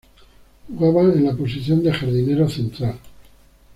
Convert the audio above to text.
Jugaba en la posición de jardinero central.